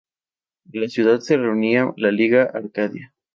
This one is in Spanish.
En la ciudad se reunía la Liga Arcadia.